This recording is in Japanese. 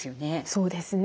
そうですね。